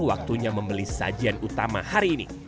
waktunya membeli sajian utama hari ini